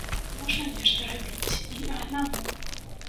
Можна нешта рабіць і аднаму.